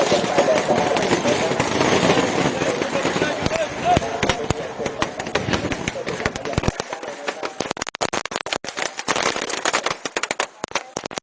วงเวียนนะครับขยายนะครับ